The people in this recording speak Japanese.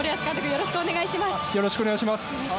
よろしくお願いします。